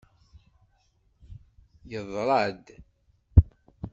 Yeḍra-d.